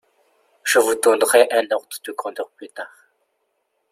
je vous donnerai un ordre de grandeur plus tard